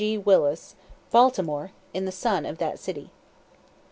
G. Willis, Baltimore, in the Sun of that city.)